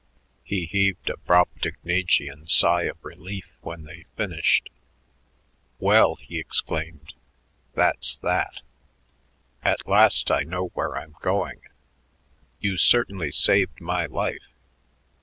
He heaved a Brobdingnagian sigh of relief when they finished. "Well," he exclaimed, "that's that! At last I know where I'm going. You certainly saved my life.